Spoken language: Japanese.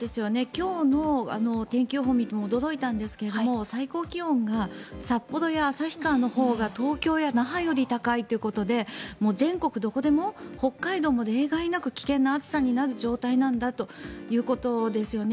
今日の天気予報を見ても驚いたんですが最高気温が札幌や旭川のほうが東京や那覇より高いということでもう全国どこでも北海道も例外なく危険な暑さになる状態なんだということですよね。